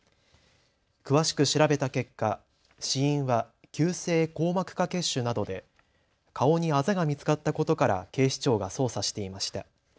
詳しく調べた結果、死因は急性硬膜下血腫などで顔にあざが見つかったことから警視庁が捜査していました。